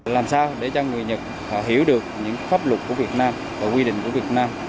làm sao để cho người nhật họ hiểu được những pháp luật của việt nam và quy định của việt nam